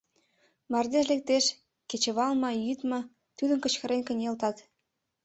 Мардеж лектеш — кечывал ма, йӱд ма — тудым кычкырен кынелтат.